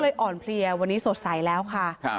อ่อนเพลียวันนี้สดใสแล้วค่ะ